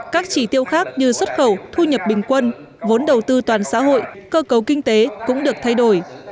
các chỉ tiêu khác như xuất khẩu thu nhập bình quân vốn đầu tư toàn xã hội cơ cấu kinh tế cũng được thay đổi